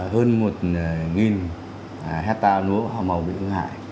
hơn một nghìn hectare núa màu bị ưu hại